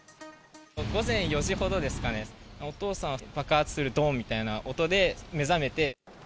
午前４時ほどですかね、お父さんは、爆発するどんみたいな音で目覚めて。